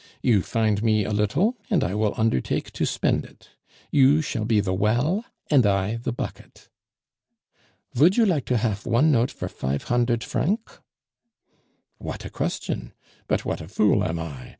You find me a little, and I will undertake to spend it. You shall be the well, and I the bucket." "Vould you like to haf one note for fife hundert franc?" "What a question! But what a fool I am!